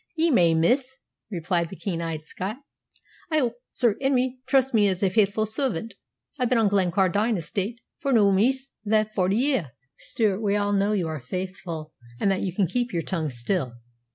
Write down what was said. "Ye may, miss," replied the keen eyed Scot. "I houp Sir Henry trusts me as a faithfu' servant. I've been on Glencardine estate noo, miss, thae forty year." "Stewart, we all know you are faithful, and that you can keep your tongue still.